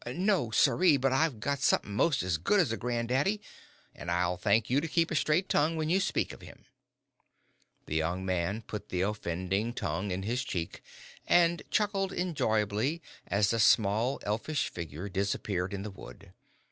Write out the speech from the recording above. "No, siree, but I've got somethin' mos' as good as a granddaddy, an' I'd thank you to keep a straight tongue when you speak of him." The young man put the offending tongue in his cheek, and chuckled enjoyably as the small, elfish figure disappeared in the wood.